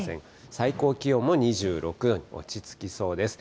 最高気温も２６度に落ち着きそうです。